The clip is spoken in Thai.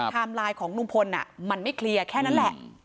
ไลน์ของลุงพลมันไม่เคลียร์แค่นั้นแหละ